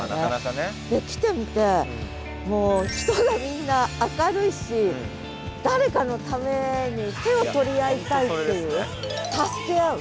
来てみてもう人がみんな明るいし誰かのために手を取り合いたいっていう助け合う。